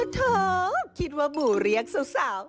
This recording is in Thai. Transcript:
โทษคิดว่าหมู่เลี้ยงสาว